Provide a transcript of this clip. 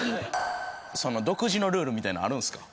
その独自のルールみたいなのあるんすか？